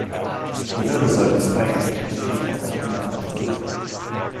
Die Wirbelsäule ist eigentlich nicht für den aufrechten Gang konstruiert.